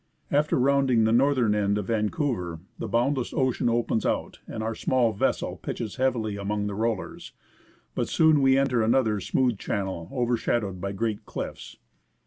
After rounding the northern end of Vancouver, the boundless ocean opens out, and our small vessel pitches heavily among the rollers ; but soon we enter another smooth channel overshadowed by great cliffs.